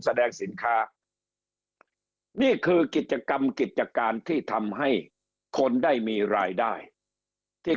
แสดงสินค้านี่คือกิจกรรมกิจการที่ทำให้คนได้มีรายได้ที่